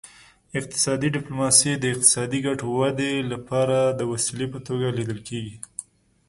اقتصادي ډیپلوماسي د اقتصادي ګټو ودې لپاره د وسیلې په توګه لیدل کیږي